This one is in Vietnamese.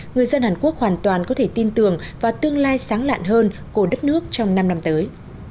người dân hàn quốc hoàn toàn có thể tin tưởng và tương lai sáng lạn hơn của đất nước trong năm năm tới